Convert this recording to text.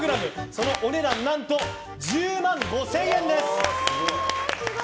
そのお値段何と１０万５０００円です。